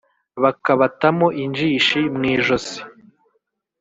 bakabatamo injishi mw'ijosi.